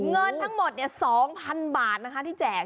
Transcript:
เงินทั้งหมด๒๐๐๐บาทนะคะที่แจก